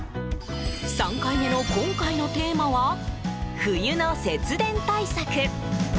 ３回目の今回のテーマは冬の節電対策。